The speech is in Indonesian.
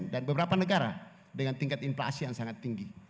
dan beberapa negara dengan tingkat inflasi yang sangat tinggi